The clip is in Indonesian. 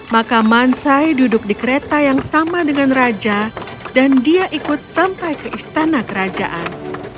maka mansai duduk di kereta yang sama dengan raja dan dia ikut sampai ke istana kerajaan